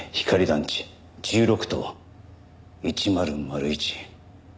団地１６棟１００１。